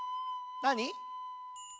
なに？